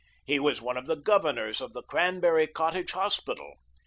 He was one of the governors of the Cranberry Cottage Hospital.